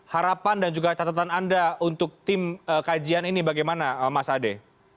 harapan dan juga catatan anda untuk tim kajian ini bagaimana mas ade